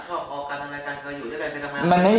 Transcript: เธอว่าอาจจะเป็นแบบว่า